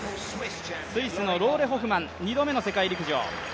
スイスのローレ・ホフマン、２度目の世界陸上。